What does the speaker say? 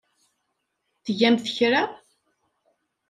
Tgamt kra?